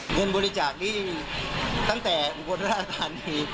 เงินบริจาคนี่ตั้งแต่อุบันราศน์อันตรายนี้